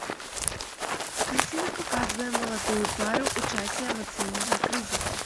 Карціна паказвае маладую пару ў часе эмацыйнага крызісу.